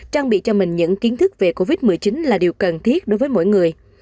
trang bị cho mình những kiến thức về covid một mươi chín là điều cần thiết đối với mỗi người